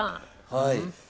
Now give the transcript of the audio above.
はい。